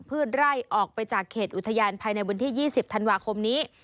เพื่อไล่ออกไปจากเขตอุทยานภายในบนที่ยี่สิบธันวาคมนี้